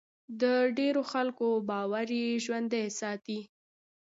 د ډېرو خلکو باور یې ژوندی ساتي.